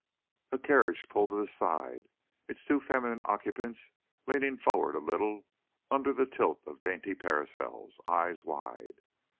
A carriage pulled to the side, its two feminine occupants leaning forward a little under the tilt of dainty parasols, eyes wide.